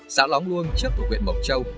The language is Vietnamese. xã lóng luông trước thuộc huyện mộc châu